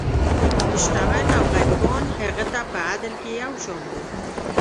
شتمن او غریبان هغه ته په عدل کې یو شان وو.